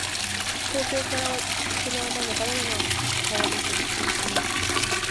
東京から沖縄までバナナの皮でスリップします。